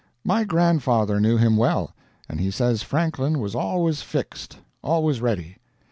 My grandfather knew him well, and he says Franklin was always fixed always ready.